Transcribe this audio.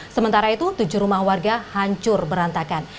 sementara itu tujuh rumah warga hancur berantakan